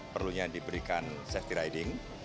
perlunya diberikan safety riding